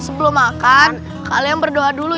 sebelum makan kalian berdoa dulu